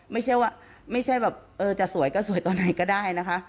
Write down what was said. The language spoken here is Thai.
ไม่ใช่แบบจะสวยก็สวยตอนไหนก็ได้นะคะ